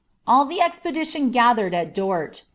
"* All the expediiion gatheretl at Dort.